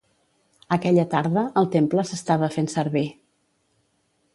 Aquella tarda, el temple s'estava fent servir.